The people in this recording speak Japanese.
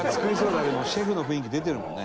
シェフの雰囲気出てるもんね。